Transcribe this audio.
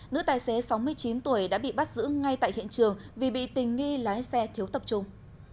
nữ tài xế sáu mươi chín tuổi đã bị bắt giữ ngay tại hiện trường vì bị tình nghi lái xe thiếu tập trung